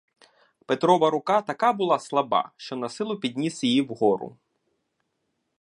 Петрова рука така була слаба, що насилу підніс її вгору.